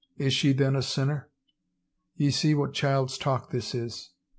Is she then a sinner? Ye see what child's talk this is!